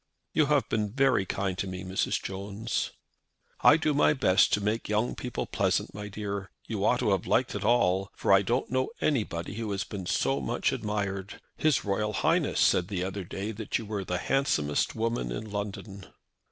"You have been very kind to me, Mrs. Jones." "I do my best to make young people pleasant, my dear. You ought to have liked it all, for I don't know anybody who has been so much admired. His Royal Highness said the other night that you were the handsomest woman in London."